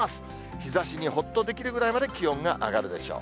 日ざしにほっとできるぐらいまで気温が上がるでしょう。